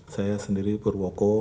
saya sendiri purwoko